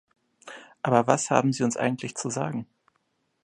Aber was haben Sie uns eigentlich zu sagen?